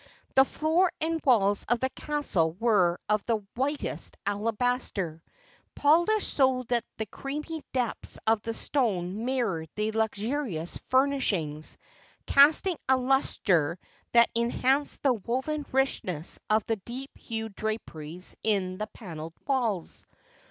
The floor and walls of the castle were of the whitest alabaster, polished so that the creamy depths of the stone mirrored the luxurious furnishings, casting a luster that enhanced the woven richness of the deep hued draperies in the paneled walls.